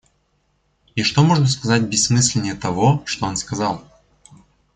И что можно сказать бессмысленнее того, что он сказал?